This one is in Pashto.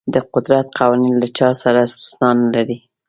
د قدرت قوانین له چا سره استثنا نه لري.